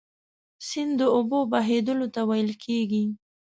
سیند د اوبو بهیدلو ته ویل کیږي.